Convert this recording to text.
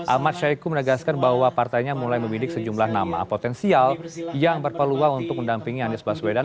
ahmad syahiku menegaskan bahwa partainya mulai membidik sejumlah nama potensial yang berpeluang untuk mendampingi anies baswedan